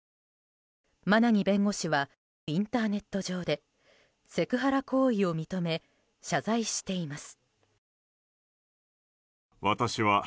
馬奈木弁護士はインターネット上でセクハラ行為を認め謝罪しています。